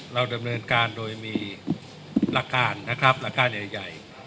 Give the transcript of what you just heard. เราดำเนินการโดยมีหลักการใหญ่